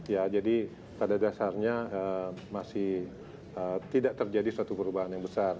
ya jadi pada dasarnya masih tidak terjadi suatu perubahan yang besar